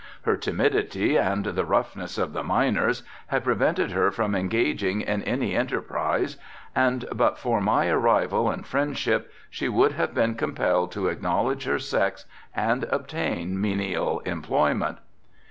Her timidity and the roughness of the miners had prevented her from engaging in any enterprise and but for my arrival and friendship she would have been compelled to acknowledge her sex and obtain menial employment.